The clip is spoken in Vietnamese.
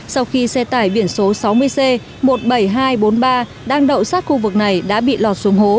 sau khi xe tải biển số sáu mươi c một mươi bảy nghìn hai trăm bốn mươi ba đang đậu sát khu vực này đã bị lọt xuống hố